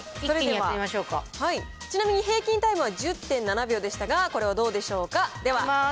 ちなみに、平均タイムは１０．７秒でしたが、これはどうでしょうか。